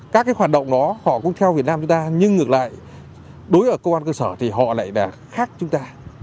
các hoạt động đó cũng theo việt nam chúng ta nhưng ngược lại đối với công an cơ sở thì họ lại khác chúng ta